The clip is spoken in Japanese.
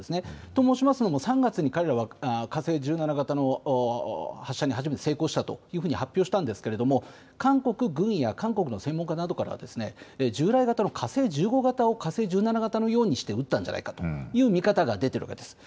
といいますのも、３月に彼らは火星１７型の発射に初めて成功したというふうに発表したんですけれども、韓国軍や韓国の専門家などからは、従来型の火星１５型を１７型のようにして撃ったんじゃないかという見方が出ているわけです。